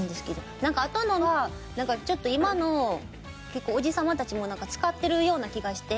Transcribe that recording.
なんかあとのはなんかちょっと今の結構おじ様たちも使ってるような気がして。